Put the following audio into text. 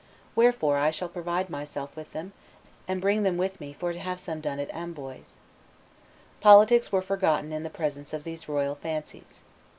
... Wherefore I shall provide myself with them, and bring them with me for to have some done at Arnboise." Politics were forgotten in the presence of these royal fancies.